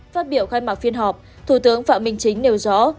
phát biểu khai mạc phiên họp thủ tướng phạm minh chính nêu rõ